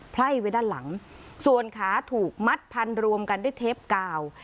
ไล่ไว้ด้านหลังส่วนขาถูกมัดพันรวมกันด้วยเทปกาว